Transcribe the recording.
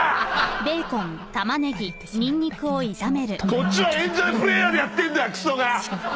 こっちはエンジョイプレーヤーでやってんだよクソが！